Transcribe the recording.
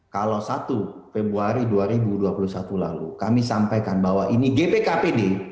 kalau satu februari dua ribu dua puluh satu lalu kami sampaikan bahwa ini gpkpd